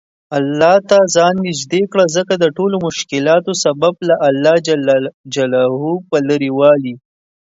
الله ته ځان نیژدې کړه ځکه دټولومشکلاتو سبب له الله ج په لرې والي